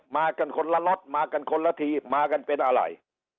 มากันคนละล็อตมากันคนละทีมากันเป็นอะไร